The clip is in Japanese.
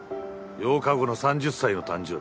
８日後の３０歳の誕生日。